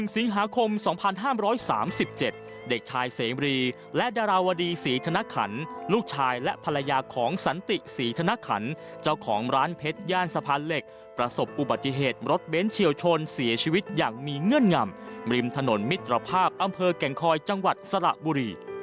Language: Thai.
สิงหาคม๒๕๓๗เด็กชายเสมรีและดาราวดีศรีธนขันลูกชายและภรรยาของสันติศรีธนขันเจ้าของร้านเพชรย่านสะพานเหล็กประสบอุบัติเหตุรถเบ้นเฉียวชนเสียชีวิตอย่างมีเงื่อนงำริมถนนมิตรภาพอำเภอแก่งคอยจังหวัดสระบุรี